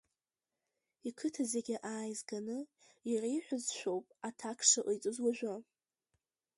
Иқыҭа зегьы ааизганы иреиҳәозшәоуп аҭак шыҟаиҵоз уажәы.